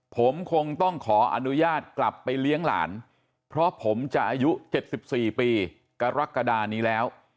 ผมคงต้องขออนุญาตกลับไปเลี้ยงหลานเพราะผมจะอายุ๗๔ปีกรกฎานี้แล้ว